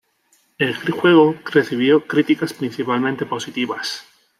El juego recibió críticas principalmente positivas.